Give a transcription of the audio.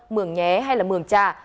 mường nhé hay là mường trà